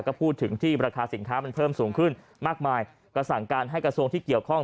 ก็พูดถึงที่ราคาสินค้ามันเพิ่มสูงขึ้นมากมายก็สั่งการให้กระทรวงที่เกี่ยวข้อง